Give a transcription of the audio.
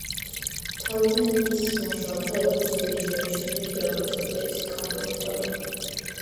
თავიდან ის მუშაობდა როგორც დირიჟორი, შემდეგ კი როგორც ოპერის კომპოზიტორი.